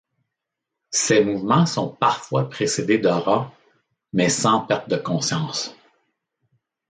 Ces mouvements sont parfois précédés d'aura mais sans perte de conscience.